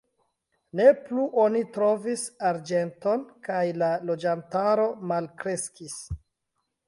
Ne plu oni trovis arĝenton kaj la loĝantaro malkreskis.